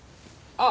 あっ。